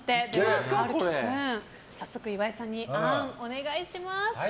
晴紀君、早速岩井さんにあーんをお願いします。